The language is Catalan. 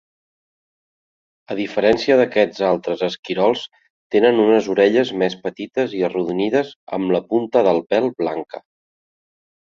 A diferència d'aquests altres esquirols, tenen unes orelles més petites i arrodonides amb la punta del pèl blanca.